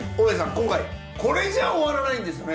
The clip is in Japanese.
今回これじゃあ終わらないんですね。